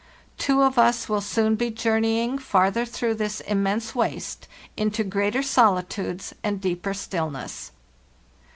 "Two of us will soon be journeying farther through this immense waste, into greater solitudes and deeper stillness.